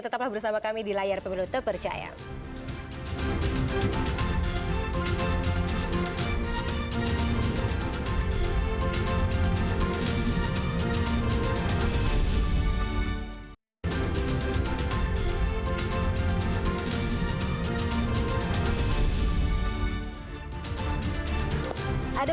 tetaplah bersama kami di layar pemilu tepercaya